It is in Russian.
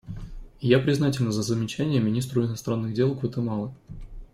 И я признательна за замечания министру иностранных дел Гватемалы.